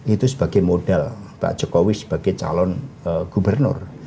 itu sebagai modal pak jokowi sebagai calon gubernur